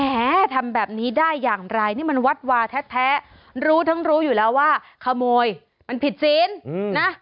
ทำแบบนี้ได้อย่างไรนี่มันวัดวาแท้รู้ทั้งรู้อยู่แล้วว่าขโมยมันผิดศีลนะ